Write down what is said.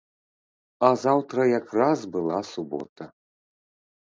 А заўтра як раз была субота.